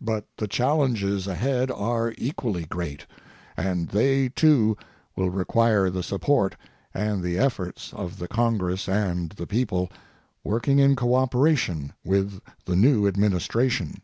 But the challenges ahead are equally great, and they, too, will require the support and the efforts of the Congress and the people working in cooperation with the new Administration.